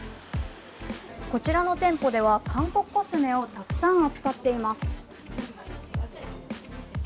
こちらの店舗では韓国コスメをたくさん扱っています。